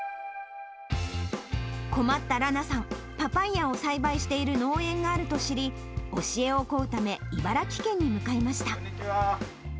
困った羅名さん、パパイヤを栽培している農園があると知り、教えを乞うため、茨城県に向かいました。